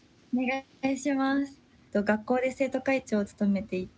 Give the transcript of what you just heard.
学校で生徒会長を務めていて。